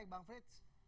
baik bang frits